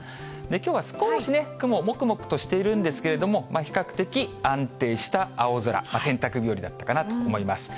きょうは少しね、雲、もくもくとしているんですけれども、比較的安定した青空、洗濯日和だったかなと思います。